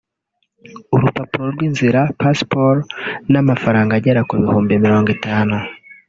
urupapuro rw’inzira (passport) n’amafaranga agera ku bihumbi mirongo itanu